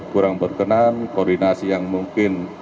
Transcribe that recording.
kurang berkenan koordinasi yang mungkin